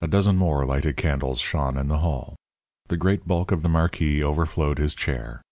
A dozen more lighted candles shone in the hall. The great bulk of the marquis overflowed his chair.